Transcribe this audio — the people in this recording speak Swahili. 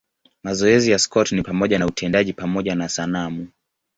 Mazoezi ya Scott ni pamoja na utendaji pamoja na sanamu.